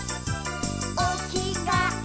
「おきがえ